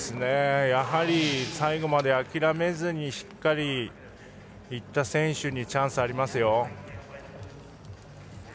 やはり、最後まで諦めずにしっかりいった選手にチャンスがありますよ。